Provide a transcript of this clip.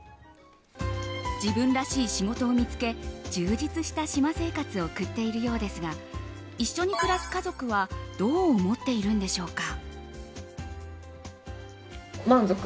自分らしい仕事を見つけ充実した島生活を送っているようですが一緒に暮らす家族はどう思ってるんでしょうか。